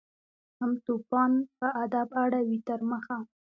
هم توپان په ادب اړوي تر مخه